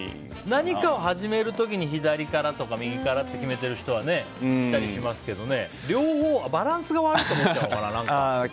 何かを始める時に左からとか右からって決めている人はいたりしますけど両方バランスが悪くなっちゃうのかな。